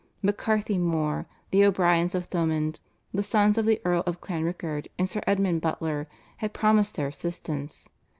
MacCarthy Mor, the O'Briens of Thomond, the sons of the Earl of Clanrickard, and Sir Edmund Butler had promised their assistance.